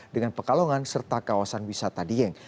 dengan pekalongan serta kawasan wisata dieng